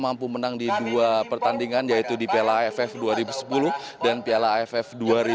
mampu menang di dua pertandingan yaitu di piala aff dua ribu sepuluh dan piala aff dua ribu dua puluh